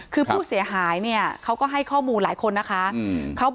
คือผู้เสียหายเนี่ยเขาก็ให้ข้อมูลหลายคนนะคะ